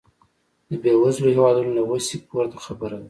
د بېوزلو هېوادونو له وسې پورته خبره ده.